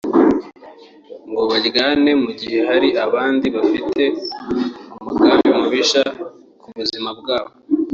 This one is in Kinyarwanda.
ngo baryane mu gihe hari abandi bafite umugambi mubisha ku buzima bwabo